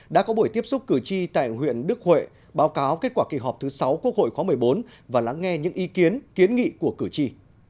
đã có buổi tiếp xúc cử tri tại huyện đức huệ báo cáo kết quả kỳ họp thứ sáu quốc hội khóa một mươi bốn và lắng nghe những ý kiến kiến nghị của cử tri